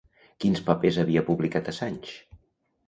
Quins papers havia publicat Assange?